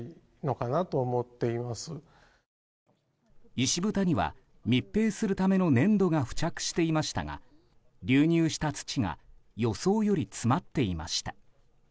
石ぶたには、密閉するための粘土が付着していましたが流入した土が予想より詰まっていました。